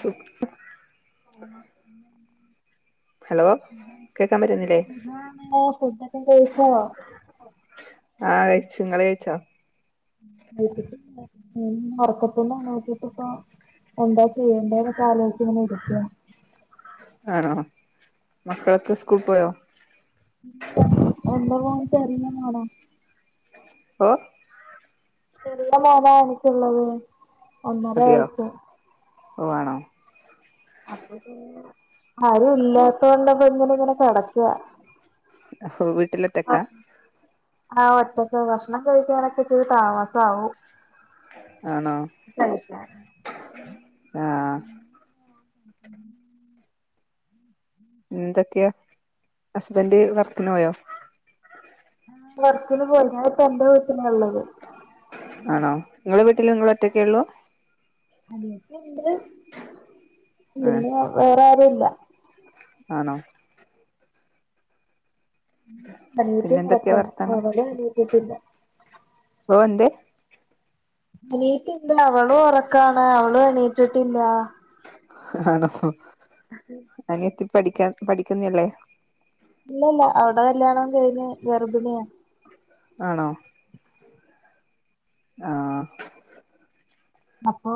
സു [unintelligible] [inaudible] ഹലോ കേക്കാൻ പറ്റുന്നില്ലേ സുഖാണ് ഫുഡോക്കെ കഴിച്ചോ ആഹ് കഴ്ച്ച് ഇങ്ങള്ഴിച്ചോ കഴിച്ചിട്ടില്ല [inaudible] ഒറക്കത്ത് എണീറ്റ്ട്ട്പ്പൊ എന്താ ചെയ്യേണ്ടന്നൊക്കെ ആലോയിച്ച്ങ്ങനെ ഇരിക്കാ ആണോ മക്കളൊക്കെ സ്കൂക്കോയോ ഇല്ല എൻ്റെ മോൻ ചെറിയ മോനാ ഓഹ് ചെറിയ മോനാ എനിക്ക്ള്ളത് ഒന്നര വയസ്സ്‌ ഓഹ് ആണോ അപ്പൊ പിന്നെ ആരും ഇല്ലാത്തൊണ്ട്പ്പാ ഇങ്ങനെങ്ങനെ കെടക്കാ അഹ് വീട്ടിലോറ്റക്കാ ആഹ് ഒറ്റക്കാ ഭക്ഷണം കഴിക്കാനൊക്കെ ഇത്തിരി താമാസവും ആണോ ആഹ് എന്തൊക്ക്യാ ഹസ്ബന്റ് വർക്ക്നോയോ വർക്ക്ന് പോയി ഞാനിപ്പോ എന്റെ വീട്ടിലാള്ളത് ആണോ ഇങ്ങളെ വീട്ടില് ഇങ്ങള് ഒറ്റക്കെള്ളൂ അനിയത്തിണ്ട് ആഹ് പിന്നെ വേറാരുല്ല ആണോ പിന്നെ അനിയത്തീം എന്തൊക്കെയാ ഒറക്കാണ് വർത്താനം അവളും എണീറ്റിട്ടില്ല ഓ എന്തേ അനിയതിണ്ട് അവളും ഉറക്കാണ് അവള് എണീറ്റിട്ടില്ല ആണോ ഹ് അഹ് അനിയത്തിപഠിക്കാ പഠിക്ക്ന്നില്ലേ ഇല്ല ഇല്ല അവടെ കല്യാണം കഴിഞ്ഞ് ഗർഭിണിയാ ആണോ ആഹ് അപ്പൊ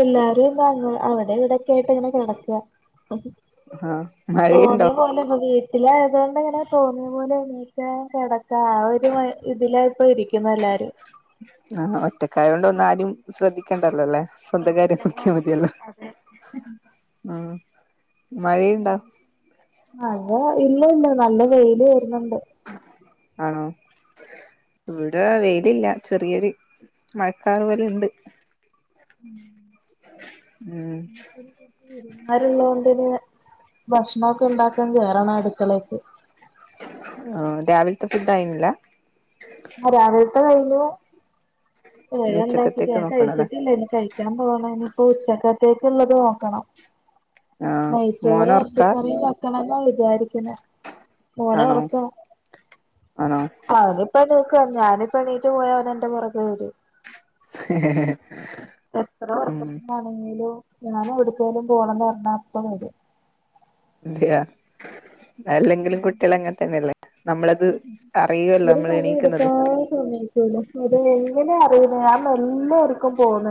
എല്ലാരും എന്താ അവടെ ഇവടെക്കെ യിട്ട് ഇങ്ങനെ കെടക്ക ആഹ് മഴയുണ്ടോ തോന്നിയാ പൊലെ പ്പ വീട്ടിലായതൊണ്ട് ഇങ്ങനെ തോന്നിയ പോലെ ണിക്ക കെടക്കാ ആ ഒരു മൈ ഇതിലായിപ്പോ ഇരി കിന്നല്ലാരും ആഹ് ഒറ്റക്കായൊണ്ട് ഒന്നാരും ശ്രദ്ധിക്കേണ്ടല്ലോല്ലേ ശ്രദ്ധിക്കേണ്ട ആവശ്യംല്ല അതെ ആഹ്മഴയ്ണ്ടോ മഴ ഇല്ല ഇല്ല നല്ല വെയില് വര്ന്ന്ണ്ട് ആണോ ഇവ്ടെ വെയിലില്ല ചെറിയൊരു മഴക്കാർ പോലെ ഇണ്ട് ഉം ഇരുന്നാലുള്ളതോടെന്നെ ഭക്ഷണോക്കെ ഉണ്ടാക്കാൻ കേയറണം അട്ക്കളേക്ക് ആരാവിലത്തെ ഫുഡ് ആയിന്നില്ല ആ രാവിലത്തെ കഴിഞ്ഞു ഇനി ഉച്ചക്കത്തേക്ക് [unintelligible] നോക്കണല്ലേ കഴിച്ചിട്ടില്ല ഇനി കഴിക്കാൻ പോകണം ഇനിയിപ്പോ ഉച്ചക്കത്തേക്കുള്ളത് നോക്കണം ആഹ് നെയ്ച്ചോറ് മോന് ഒറക്കാ ഇറച്ചിക്കറിയും ഉണ്ടാക്കണെന്നാ വിചാരിക്കണേ മോനെ ആണോ ഉറക്ക ആണോ അത് ഇപ്പൊ നീക്കും ഞാനിപ്പോ എണീറ്റ് പോയാ അവൻ എന്റെ പുറകെ വരും ഹ [inaudible] എത്ര ഒറക്കത്തിനാണെങ്കിലും ഞാൻ എവിടക്കെങ്കിലും പോണം എന്ന് പറഞ്ഞ അപ്പ വരും അതെയാ അല്ലെങ്കിലും കുട്ടികളങ്ങനെ തന്നെല്ലേ നമ്മളത് അറിയുവല്ലോ നമ്മൾ എണീക്കുന്നത് ല [inaudible] അതേ എങ്ങനെ അറിയുന്ന ഞാൻ മെലെണിറ്റ് പോന്ന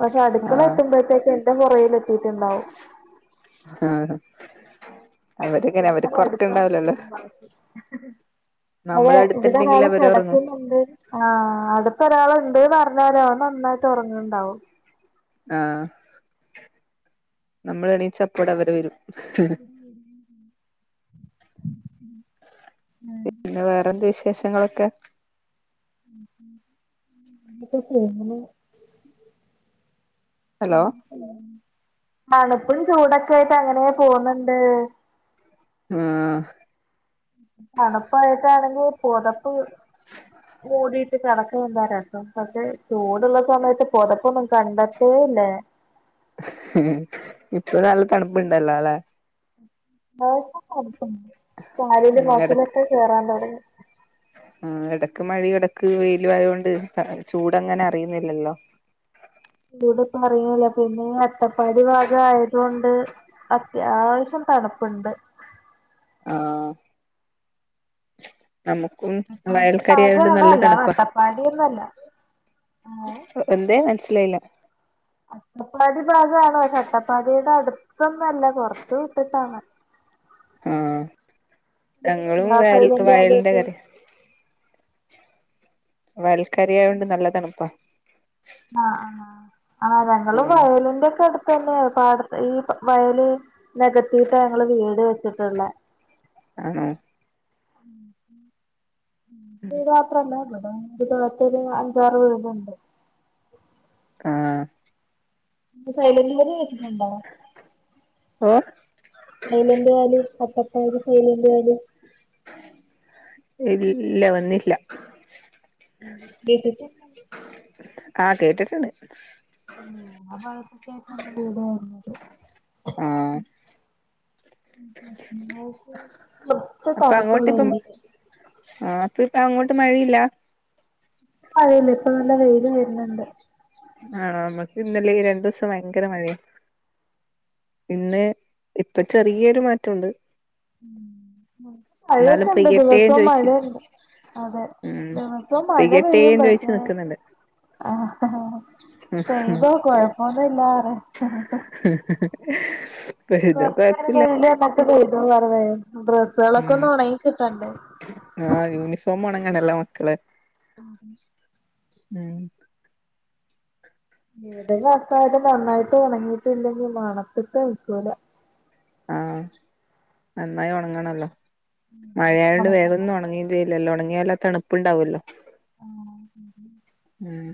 പക്ഷെ അടുക്കള ആഹ് എത്തുമ്പോഴത്തേക്ക് എന്റെ പുറകിൽ എത്തിട്ടുണ്ടാവും ആഹ് അവരിങ്ങനെ എന്നാ അവർക്ക് ലും എടുത്തുകണ്ട് ഒറക്കണ്ടാവില്ലല്ലോ ചെയ്യും പണി അതെ നമ്മള് ഇവിടെ അടുത്തുണ്ടെങ്കിൽ ഒരാള് അവര് ഒറങ്ങും കിടക്കുന്നുണ്ട് ആഹ് അടുത്ത് ഒരാളുണ്ട്ന്ന് അറിഞ്ഞാല് അവൻ നന്നായിട്ട് ഉറങ്ങ്ണ്ടാവും ആഹ് നമ്മൾ എണീച്ചപ്പോട അവര് വരും പിന്നെ വേറെന്ത് വിശേഷങ്ങളൊക്കെ [inaudible] ഇതാ പോ കുന്നു ഹലോ തണുപ്പും ചൂടൊക്കെ ആയിട്ട് അങ്ങനെ പോകുന്നുണ്ട് ആഹ് തണുപ്പായിട്ടാണെങ്കിൽ പൊതപ്പ് മൂടിട്ട് കെടക്ക ര ണ്ടും പക്ഷെ ചൂടുള്ള സമയത്ത് പൊതപ്പൊന്നും കണ്ടത്തേ ഇല്ലേ ഇപ്പൊ നല്ല തണുപ്പുണ്ടല്ലോ അല്ലെ തണു പൊക്കെണ്ട്കാലില് ഉം മസില് എടക്ക് കേറാൻ തുടങ്ങി ആഹ് ഇടക്ക് മഴയും ഇടക്ക് വെയിലു ആയത് കൊണ്ട് ചൂടങ്ങനെ അറിയുന്നില്ലല്ലോ ഇതൂടെ പറയില്ല പിന്നെ ഈ അട്ടപ്പാടി ഭാഗ ആയതുകൊണ്ട് അത്യാവശ്യം തണുപ്പുണ്ട് ആഹ് നമുക്കും വയൽക്കരി ആയോണ്ട് നല്ല തണുപ്പാ പടിയൊന്നുമല്ല ആഹ് എന്തെ മനസ്സിലായി അട്ടപ്പാടി ഭാഗമാണ് പക്ഷെ അട്ടപ്പാടിയുടെ അടുത്തൊന്നും അല്ല കൊറച്ച് വിട്ടിട്ടാണ്. ആഹ് ഞങ്ങളും [inaudible] വയൽ സൈലന്റ് വയലിന്റെ വാലിയൊക്കെ കര വയൽക്കാരി ആയോണ്ട് നല്ല തണുപ്പാ ആഹ് ആഹ് ആഹ് ആ ഞങ്ങളും ഉം വയലിന്റെ ഒക്കെ അടു തന്നെ പാടത്ത് ഈ വയല് നെഗതിട്ടാ ഞങ്ങള് വീട് വെച്ചിട്ടുയുള്ളെ ആന്നോ? ഉം ഉം [unintelligible] അഞ്ചാറ് വീടുണ്ട്. ആഹ് സൈലന്റ് വാലി കേട്ടിട്ടുണ്ടോ? ഓ silent Valley Attappadi silent Valley ഇല്ല വന്നില്ല [inaudible] കേട്ടില്ലേ ആഹ് കേട്ടിട്ടുണ്ട്. ഉം ആ ഭാഗത്തൊക്കെ ആയിട്ടാണ് വീട് വരുന്നത് ആഹ് [unintelligible] കൊറച്ച് അപ്പൊ തണുപ്പുള്ള അങ്ങോട്ടിപ്പം ഉണ്ടേ ആഹ് അപ്പൊ ഇപ്പൊ അങ്ങോട്ട് മഴയില്ല അതല്ല ഇപ്പം നല്ല വെയിലും വരുന്നുണ്ട്. ആണോ നമ്മുക്ക് ഇന്നലെ ഈ രണ്ടു ദിവസം ഭയങ്കര മഴയാ പിന്നെ ഇപ്പം ചെറിയൊരു മാറ്റമുണ്ട് ഉം എന്നാലും മഴയൊക്കെയുണ്ട് പെയ്യട്ടേന്ന് ദിവസോം ചോദിച്ചി മഴയുണ്ട്. അതെ ഉം ദിവസോം മഴ പെയ്യും പെയ്യട്ടേന്ന് ചോയിച്ച് പക്ഷെ നിക്കുന്നുണ്ട് ആ ആഹ് ആ ചെയ്തോ കൊഴപ്പമൊന്നുമില്ല പറ എന്നിട്ട് ഹി ഹിഹി ഹ് സ്.. കൊറച്ചു നേരം കഴിഞ്ഞിട്ട് [unintelligible] പെയ്തോ പറഞ്ഞെ വരും ഡ്രസ്സുകളൊക്കെ ഉം ഒന്ന് ഉണങ്ങി കിട്ടണ്ടേ ആഹ് യൂണിഫോം ഉണങ്ങണല്ലോ മക്കള് ആഹ് ഉം ഏതെങ്കിലും ആൾക്കാര് നന്നായിട്ട് ഉണങ്ങിയിട്ടില്ലെങ്കിൽ മണത്തിട്ട് നിക്കൂല ആഹ് നന്നായി ഉണങ്ങണല്ലോ മഴയായോണ്ട് വേഗമൊന്നു ഉണക്കി വെയിലില്ലല്ലോ ഉണങ്ങിയാലും ആ തണുപ്പുണ്ടാവല്ലോ ഉം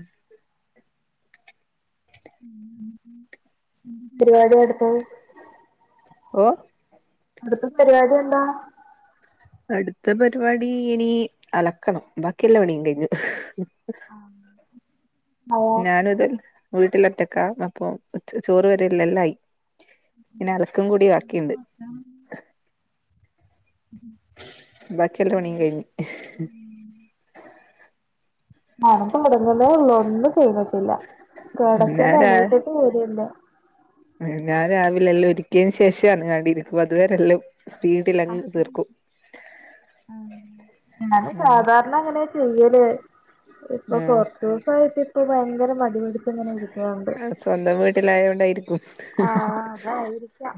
[inaudible] പരിപാടി അടുത്തത് ഓ അടുത്ത പരിപാടി എന്നാ അടുത്ത പരിപാടി ഇനി അലക്കണം ബാക്കി എല്ലാ പണീം കഴിഞ്ഞു. ആഹ് ഞാനും അതെ വീട്ടിൽ ഒറ്റക്കാ അപ്പം [unintelligible] ചോറ് വരെയുള്ള എല്ലാ ആയി ഉം ഇനി അലക്കും കൂടി ഉം ബാക്കിയുണ്ട് അതാണ് ബാക്കി എല്ലാ പണിം കഴിഞ്ഞ് ഉറക്കം ഉണർന്നതേ ഒള്ളൂ ഒന്നും ചെയ്തിട്ടില്ല ഞാൻ കിടക്കന്ന് രാ എണീറ്റട്ട് പോലുമില്ല ഞാൻ രാവിലെ എല്ലാം ഒരുക്കിയന് ശേഷമാണ് [unintelligible] അതുവരെല്ലാം- ആഹ് ആഹ് ഞാൻ ഉം സാധാരണ അങ്ങനെയാ ചെയ്യാല് ഇപ്പൊ ആഹ് കൊറച്ച് ദിവസായിട്ട് ഇപ്പം ഭയങ്കര മടിപിടിത്ത് ഇങ്ങനെ ഇരിക്കാറുണ്ട് സ്വന്തം വീട്ടിലായതുകൊണ്ടായിരിക്കും ആ അതായിരിക്കാം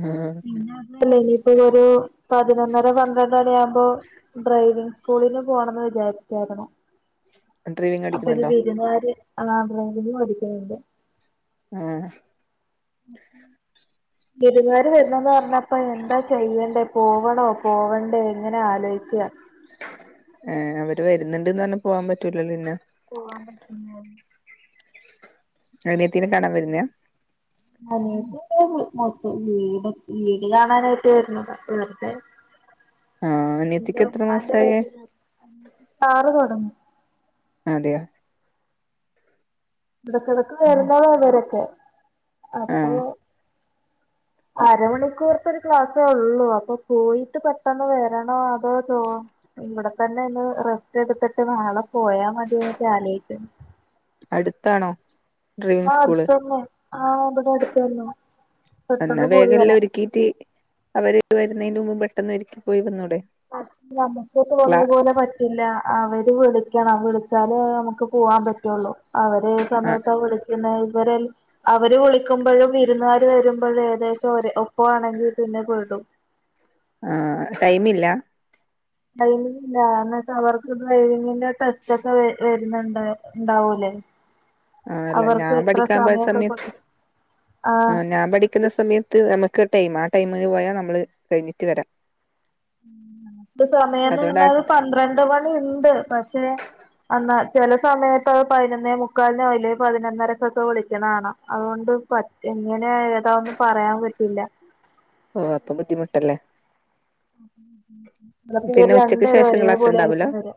ആഹ് പിന്നെ അല്ല ഇനിയിപ്പോരു പതിനൊന്നര പന്ത്രണ്ടരയാവുമ്പോ ഡ്രൈവിംഗ് സ്കൂളില് പോണന്ന് വിജാര്ചേര്ന്നു ഡ്രൈവിംഗ് അപ്പരു പഠിക്കുന്നുണ്ടോ വിരുന്നാര് ആഹ് ഡ്രൈവിംഗ് പഠിക്കാര്ന്നു ആഹ് ഉം. വിര്ന്ന്യാര് വരുന്നന്നു പറഞ്ഞപ്പ എന്താ ചെയ്യണ്ടേ പോവണോ പോവണ്ടേ ഇങ്ങനെ ആലോയ് ക്യാ ഏ അവര് വര്ന്ന്ണ്ട്ന്ന് വർഞ്ഞ പോവാം പറ്റൂലല്ലോ ന്നെ പുവാം പറ്റ്ല്യ അനിയത്തിനേ കാണാൻ വരുന്ന്യാ അനി മൊത്തം വീട് വീട് കാണാനായിട്ട് വരുന്നതാ വെർതെ ആഹ് അനിയത്തിക്ക് ന്റെ എത്ര മ്മാന്റെ മാസായേ വീട്ട്ല് കാറ് കേടന്നു അതെയ ഇക്കിടക്ക് വരുന്നരാ ഭരക്കെ അപ്പൊ ആഹ് അരമണിക്കൂർത്തൊരു ക്ലാസ്സോള്ളൂ അപ്പൊ പോയിട്ട് പെട്ടെന്ന് വരണോ അതോ തോ ഇവടതന്നെന്ന് റെസ്റ്റ് എട്ത്ത്ട്ട് നാളെ പോയാമത്യേ ജാലോയ്ക്ക അട്ത്താണോ ആഹ് അട്ത്തന്നെ ആഹ് ബ്ടെ അട്ത്ത ന്നെ പെട്ടെന്ന് പോയി വരാ ക്കീറ്റ് അവര് വരുന്നേൻ്റു മുമ്പ് ബെട്ടെന്ന് ഒര്ക്കി പോയ വന്നൂടെ ഫസ്റ്റിലമ്മക്ക് ക്ലാ തോന്നിയ പോലെ പ ഇല്ലാ അവര് വിളിക്യണം വിളിച്ചാലേ അമ്ക്ക് പൂവാം പറ്റൊള്ളൂ അവരേത് ആഹ് സമയത്താ വിളിക്യുന്നഅ് ഇവര് അവര് വിളിക്കുമ്പഴും വീ ര്ന്ന്യാര് വരുമ്പഴെ എദേശം ഒരേ ഒപ്വാണെങ്കി ത്ത്ന്നെ പെടും ആഹ് ടൈമില്ലാ ടൈമിങ്ല്ലാ ന്ന്ട്ട് അവർക്ക് ഡ്രൈവിങ്ങിന്റെ ടെസ്റ്റൊക്കെ വര് വര് ന്ന്ണ്ട്ണ്ടാവൂലേ ആഹ് അല്ലെ ഞാം പഠിക്കാമ്പോയ സമയൊക്കെ സമയത്ത് കൊടു ആ അ ഞാൻ പഠി ക്ക്ന്ന സമെയത്ത് നമ്ക്ക് ടൈംമാ ആ ടൈമ് പോയാ നമ്മള് കയിഞ്ഞിട്ട് വരാം ദ് അതുകൊണ്ട് ആ സമയംന്നർഞ്ഞാല് പന്ത്രണ്ട് മണിണ്ട് പക്ഷെ അന്നാ ചെല സമയത്തത് പയ്നൊന്നേ മുക്കാൽനോ ഇല്ലെ പതിനൊന്നരക്കൊക്കെ വിളിക്ക്യണാണ അത്കൊണ്ട് ഫസ്റ്റ് ങ്ങനെയെതാന്നു പറയാം പറ്റുല്ല ആഹ് അതും ബുദ്ധിമുട്ടല്ലേ ലപ്പൊ ഇവര് പിന്നെ ഉച്ചക്ക് രണ്ടേരും ശേഷം ഒരേ ക്ലാസ് ഉണ്ടാവൂല പോലെയായിരിക്കും വര്വ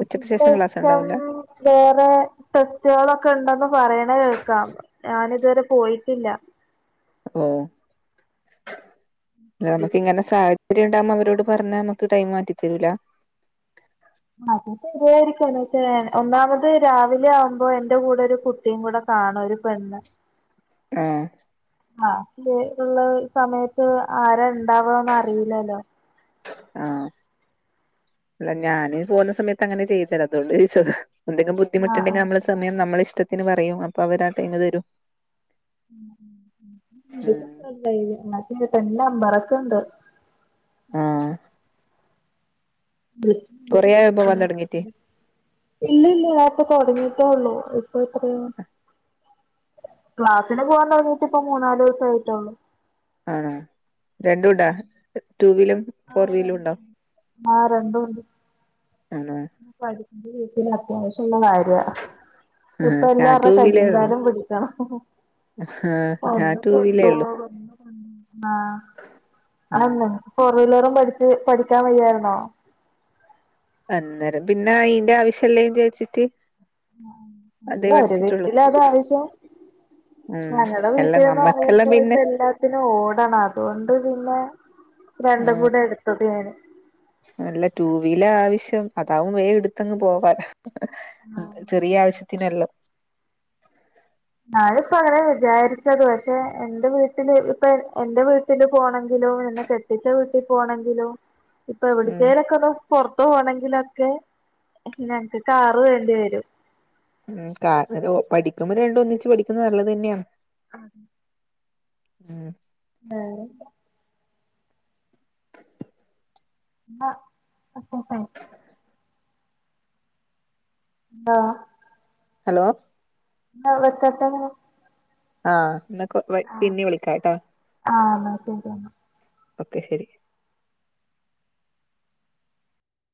ഉച്ചിശം ഉച്ചക്ക് ശേഷം ക്ലാസ് ഉണ്ടാവൂല കഷ്ട്ടാണ് വേറെ ടെസ്റ്റുള്ക്കെണ്ടന്ന് പറേണഅ് കേക്കാം ഞാനിതുവരെ പോയിറ്റില്ല ഓഹ് നമക്കിങ്ങനെ സാ ചര്യം ഉണ്ടാമ്പം അവരോട് പറഞ്ഞാമ്ക്ക് ടൈമ് മാറ്റി തരൂല്ലാ അതശരിയായിരിക്ക പക്ഷേ ഒന്നാമത് രാവിലെ ആവുമ്പോ എന്റെ കൂടെ ഒരു കു ട്ടിങ്കുടെ കാണും ഒര് പെണ്ണ് ആഹ് ആ [unintelligible] ഉള്ളഅ് സമയത്ത് ആരാണ്ടാവാന്നാറിലലോ ആഹ് ല്ല ഞാനീ പോവുന്ന സമയത്ത് അങ്ങനെ ചെയ്യത്തില അതൊണ്ട് ചോയ്ച്ചതാ എന്തേങ്കു ആഹ് ബുദ്ധിമുട്ട്ണ്ടെങ്കി ആഹ് അമ്മള് സമയം നമ്മളിഷ്ടത്തിന് പറയും അപ്പ അവരാ ടൈമ് തെരും [unintelligible] ഉം [unintelligible] ന്റെ റമ്പറക്ക്ണ്ട്. ആഹ് കൊറേ ആയോ പോവാൻ തുടങ്ങീട്ട് ഇല്യല്ല്യ ആപ്പ തൊടങ്ങീട്ടേ ഉള്ളൂ ഇപ്പൊ എത്രയാ ക്ലാസ്സിന് പൂവാൻ തൊടങ്ങിറ്റിപ്പം മൂന്നാലൂസായ്റ്റെള്ളു ആഹ് രണ്ടുണ്ടാ ടുവീലും ആഹ് രണ്ടുണ്ട് ആഹ് രണ്ടുണ്ട് ആണൊ പഠിക്കുന്ന വീട്ടില് അത്യാവശ്യൊള്ള കാര്യാ ആഹ്. ഇപ്പ ഞാൻ ടു എല്ലാർടെ വീലേ കയ്യും ഉള്ളൂ. കാലും പിടിക്കണം ആഹ് ഞാൻ ഒന്ന് ടുവീലേ ഉള്ളൂ കൊണ്ടോവാ ആഹ് ഉം. അതല്ല ഫോ ടുവീലറും പടിച്ച് പഠിക്കാൻ വയ്യാരുന്നോ അന്നേരം പിന്നെ അയിന്റെ ആവശ്യുള്ളേന്ന് ചോയിച്ചിട്ട് രിയാ ഒര് വീട്ടില അതാവശ്യവും ഉം. ഞങ്ങടെ അല്ല വീട്ടിൽന്ന് നമ്മക്കെല്ലാം പറയുമ്പോ ഇപ്പോ പിന്നെ എല്ലാത്തിനും ഓടണം അതുകൊണ്ട് പിന്നെ രണ്ടും ആഹ് കൂടെ എടുത്തത് ഞാന് അല്ല ടുവീലാ ആവശ്യം അതാവും വേഗെടുത്തങ്ങ് പോകാല്ലോ ചെറിയ ആവശ്യത്തിനാലും ഞാനിപ്പ അങ്ങനെയാ വിചാരിച്ചത് പക്ഷെ എന്റെ വീട്ടില് ഇപ്പ എന്റെ വീട്ടില് പോണെങ്കി തിലോ എന്നെ കെട്ടിച്ച വീട്ടി പോണെങ്കിലും ഇപ്പൊ ഉം. എവിടത്തെലക്കലോ പൊറത്തു പോണെങ്കിലൊക്കെ ഞങ്ങക്ക് കാറ് വേണ്ടി വരും ഉം കാറൊരു പഠിക്കുമ്പം രണ്ടും ഒന്നിച്ച് പഠിക്കുന്നത് നല്ലത് തന്നെയാണ് ആഹ് ഉം ഏഹ് അഹ് ഹൗസ് വൈഫേ ആഹ് ഹലോ ന്ന വെക്കട്ടെ ആഹ് എന്നാ കൊ വൈ പിന്നെ വിളിക്കാട്ടോ ആഹ് എന്നാ ശരി ഓക്കെ ശരി